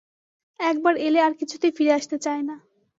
এক বার এলে আর কিছুতেই ফিরে আসতে চায় না।